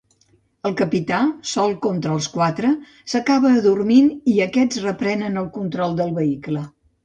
El capità sol contra els quatre s'acaba adormint i aquests reprenen el control del vehicle.